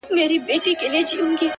دا څه معلومه ده ملگرو که سبا مړ سوم-